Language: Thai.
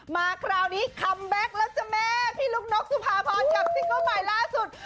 มาคราวนี้คัมแบ็คแล้วจ้ะแม่พี่ลูกนกสุภาพรกับซิงเกิ้ลใหม่ล่าสุด